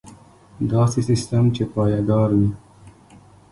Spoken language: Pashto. داسې سیستم چې پایدار وي.